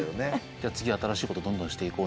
「じゃあ次新しいことどんどんしていこうね」っていうか。